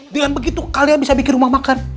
bilang begitu kalian bisa bikin rumah makan